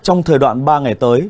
trong thời đoạn ba ngày tới